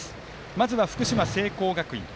まずは福島・聖光学院。